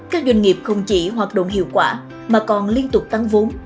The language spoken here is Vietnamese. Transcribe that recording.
các doanh nghiệp không chỉ hoạt động hiệu quả mà còn liên tục tăng vốn